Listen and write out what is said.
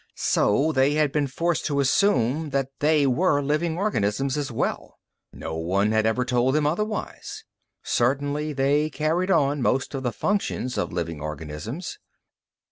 So they had been forced to assume that they were living organisms, as well. No one had ever told them otherwise. Certainly they carried on most of the functions of living organisms.